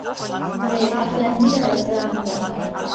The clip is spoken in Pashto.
د پخلنځي دروازه بنده وه.